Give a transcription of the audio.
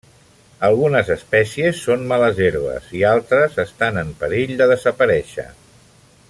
Algunes espècies són males herbes i altres estan en perill de desaparèixer.